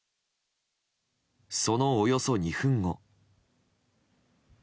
そのおよそ２分後。